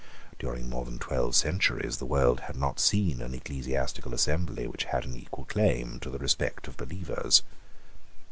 During more than twelve centuries the world had not seen an ecclesiastical assembly which had an equal claim to the respect of believers.